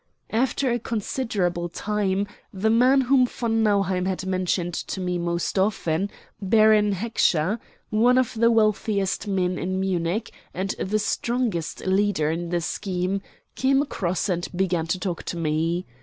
After a considerable time, the man whom von Nauheim had mentioned to me most often, Baron Heckscher, one of the wealthiest men in Munich, and the strongest leader in the scheme, came across and began to talk to me.